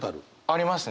ありますね。